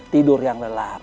tidur yang lelap